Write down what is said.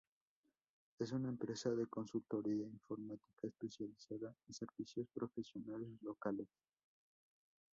Es una empresa de consultoría informática especializada en servicios profesionales locales.